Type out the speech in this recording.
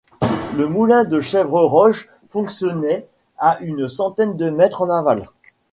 Le moulin de Chèvreroche fonctionnait à une centaine de mètres en aval.